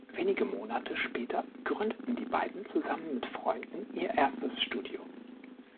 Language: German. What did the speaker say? Wenige Monate später gründeten die beiden zusammen mit Freunden ihr erstes Studio.